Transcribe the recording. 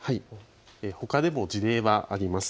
ほかでも事例はあります。